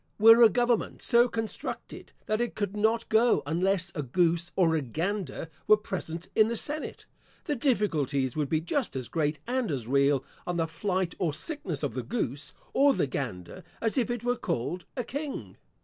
Were a government so constructed, that it could not go on unless a goose or a gander were present in the senate, the difficulties would be just as great and as real, on the flight or sickness of the goose, or the gander, as if it were called a King.